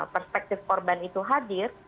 perspektif korban itu hadir